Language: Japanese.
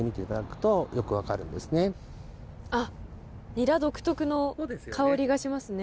ニラ独特の香りがしますね。